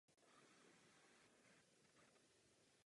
Film byl vybrán do sekce Toronto International Film Festivalu.